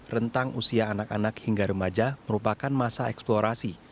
rentang usia anak anak hingga remaja merupakan masa eksplorasi